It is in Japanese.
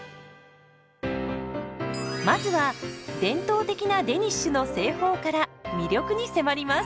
まずは伝統的なデニッシュの製法から魅力に迫ります。